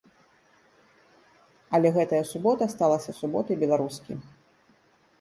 Але гэтая субота сталася суботай беларускі.